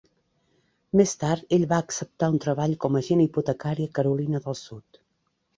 Més tard ell va acceptar un treball com a agent hipotecari a Carolina del Sud.